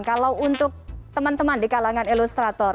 kalau untuk teman teman di kalangan ilustrator